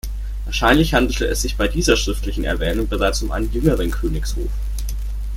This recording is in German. Wahrscheinlich handelte es sich bei dieser schriftlichen Erwähnung bereits um einen jüngeren Königshof.